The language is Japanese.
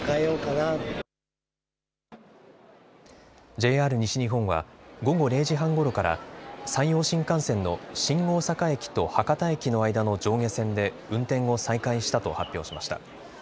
ＪＲ西日本は午後０時半ごろから山陽新幹線の新大阪駅と博多駅の間の上下線で運転を再開したと発表しました。